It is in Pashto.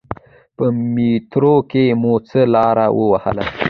په میترو کې مو څه لاره و وهله.